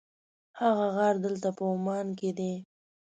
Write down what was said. هغه غار دلته په عمان کې دی.